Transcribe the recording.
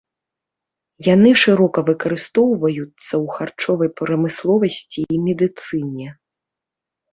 Яны шырока выкарыстоўваюцца ў харчовай прамысловасці і медыцыне.